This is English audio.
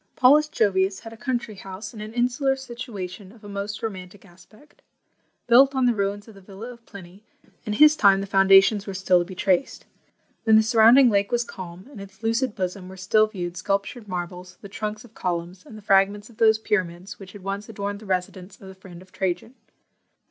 Paulus Jovius had a country house, in an insular situation, of a most romantic aspect. Built on the ruins of the villa of Pliny, in his time the foundations were still to be traced. When the surrounding lake was calm, in its lucid bosom were still viewed sculptured marbles, the trunks of columns, and the fragments of those pyramids which had once adorned the residence of the friend of Trajan.